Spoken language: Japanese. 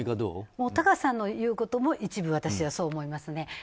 タカさんの言うことも一部私はそう思いますね。